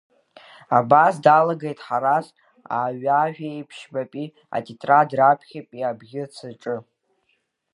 Абас далагеит Ҳараз аҩажәеиԥшьбатәи атетрад раԥхьатәи абӷьыц аҿы.